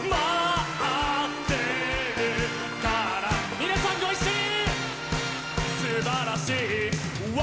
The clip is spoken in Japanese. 皆さん、ご一緒に！